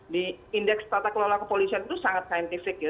di indeks tata kelola kepolisian itu sangat saintifik ya